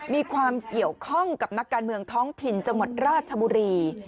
มีความเกี่ยวข้องกับนักการเมืองท้องถิ่นจังหวัดราชบุรี